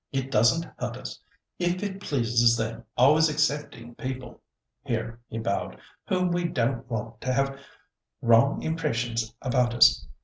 "It doesn't hurt us, if it pleases them, always excepting people"—here he bowed—"whom we don't want to have wrong impressions about us.